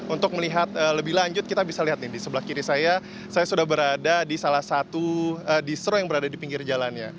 untuk melihat lebih lanjut kita bisa lihat nih di sebelah kiri saya saya sudah berada di salah satu distro yang berada di pinggir jalannya